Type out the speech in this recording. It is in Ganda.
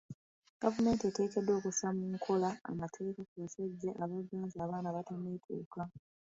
Gavumenti eteekeddwa okussa mu nkola amateeka ku basajja abaganza abaana abatanneetuuka.